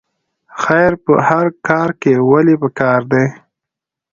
خیر په هر کار کې ولې پکار دی؟